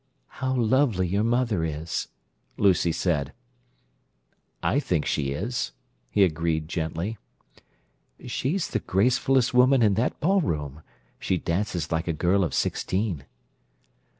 "How lovely your mother is!" Lucy said "I think she is," he agreed gently. "She's the gracefulest woman in that ballroom. She dances like a girl of sixteen."